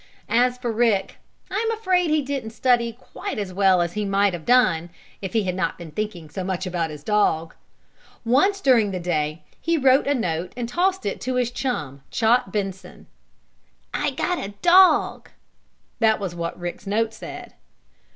As for Rick, I'm afraid he didn't study quite as well as he might have done if he had not been thinking so much about his dog. Once, during the day, he wrote a note, and tossed it to his chum, Chot Benson. "I got a dog!" That was what Rick's note said.